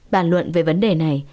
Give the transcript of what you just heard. bản luận về vấn đề này